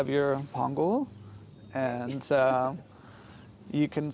oke bisa kamu ajar saya sedikit bagaimana memainkan ini